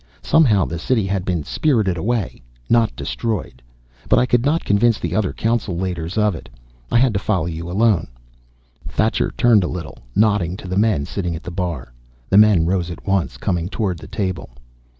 Somehow the City had been spirited away, not destroyed. But I could not convince the other Council Leiters of it. I had to follow you alone." Thacher turned a little, nodding to the men sitting at the bar. The men rose at once, coming toward the table.